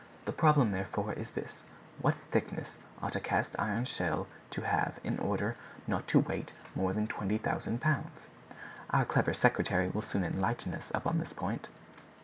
The problem, therefore, is this—What thickness ought a cast iron shell to have in order not to weight more than 20,000 pounds? Our clever secretary will soon enlighten us upon this point."